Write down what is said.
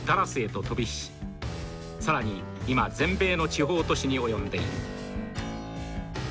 今全米の地方都市に及んでいる」。